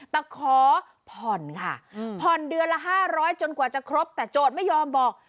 แต่ขอพรค่ะพรเดือนละ๕๐๐บาทจนกว่าจะครบแต่โจทย์ไม่ยอมบอก